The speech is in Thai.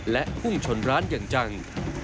และพุ่งชนร้านอย่างจัง